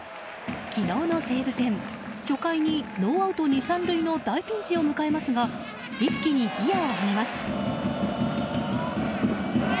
昨日の西武戦初回にノーアウト２、３塁の大ピンチを迎えますが一気にギアを上げます。